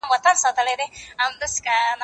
چای وڅښه؟!